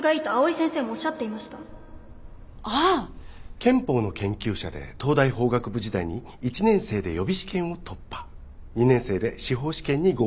憲法の研究者で東大法学部時代に１年生で予備試験を突破２年生で司法試験に合格したそうで。